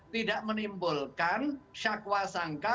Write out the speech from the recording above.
tidak menimbulkan syakwa sangka